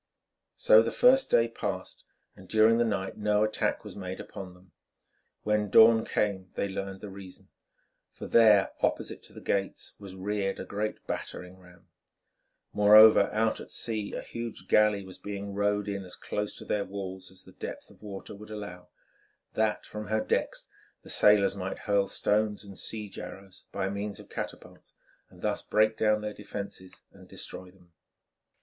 So the first day passed, and during the night no attack was made upon them. When dawn came they learned the reason, for there opposite to the gates was reared a great battering ram; moreover, out at sea a huge galley was being rowed in as close to their walls as the depth of water would allow, that from her decks the sailors might hurl stones and siege arrows by means of catapults and thus break down their defences and destroy them.